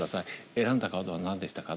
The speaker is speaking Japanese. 「選んだカードは何でしたか？」。